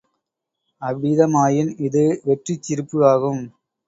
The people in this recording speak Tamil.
அவ்விதமாயின் இது வெற்றிச் சிரிப்பு ஆகும்.